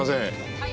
はい。